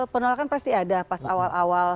penolakan pasti ada pas awal awal